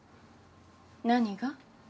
何が。